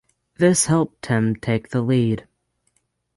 This helped him take the lead.